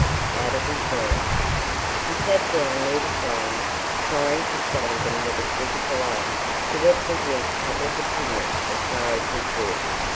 out of his room. He sate down near the fire, trying to study them with a critical eye, to represent public opinion as far as he could.